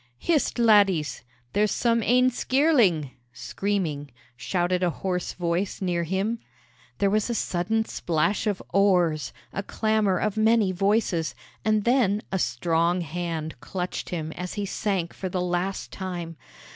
"Hist, laddies! there's some ane skirling" (screaming), shouted a hoarse voice near him. There was a sudden splash of oars, a clamor of many voices, and then a strong hand clutched him as he sank for the last time.